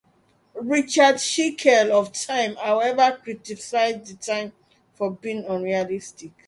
Richard Schickel of "Time", however, criticized the film for being unrealistic.